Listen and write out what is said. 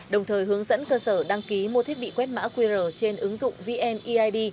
đồng thời hướng dẫn cơ sở đăng ký mua thiết bị quét mã qr trên ứng dụng vneid